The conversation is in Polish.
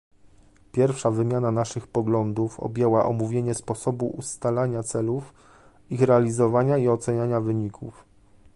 Pierwsza wymiana naszych poglądów objęła omówienie sposobu ustalania celów, ich realizowania i oceniania wyników